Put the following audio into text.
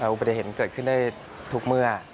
อุบัติเหตุเกิดขึ้นได้ทุกเมื่อ